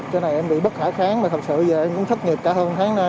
cho nên em bị bất khả kháng mà thật sự giờ em cũng thất nghiệp cả hơn tháng nay